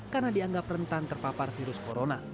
karena dianggap rentan terpapar virus koronavirus